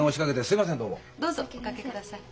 どうぞお掛けください。